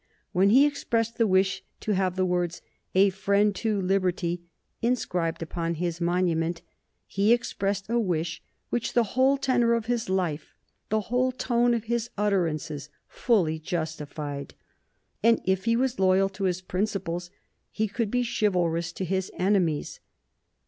When he expressed the wish to have the words "A friend to liberty" inscribed upon his monument, he expressed a wish which the whole tenor of his life, the whole tone of his utterances fully justified. And if he was loyal to his principles he could be chivalrous to his enemies.